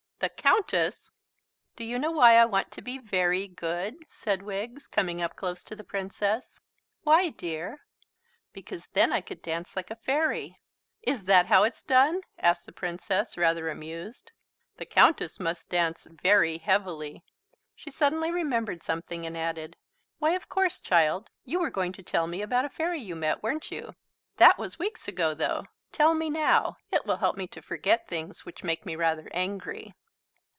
"The Countess!" "Do you know why I want to be very good?" said Wiggs, coming up close to the Princess. "Why, dear?" "Because then I could dance like a fairy." "Is that how it's done?" asked the Princess, rather amused. "The Countess must dance very heavily." She suddenly remembered something and added: "Why, of course, child, you were going to tell me about a fairy you met, weren't you? That was weeks ago, though. Tell me now. It will help me to forget things which make me rather angry."